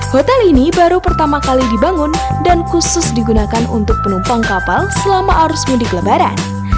hotel ini baru pertama kali dibangun dan khusus digunakan untuk penumpang kapal selama arus mudik lebaran